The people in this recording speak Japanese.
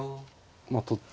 まあ取って。